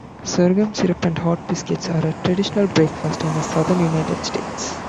Sorghum syrup and hot biscuits are a traditional breakfast in the Southern United States.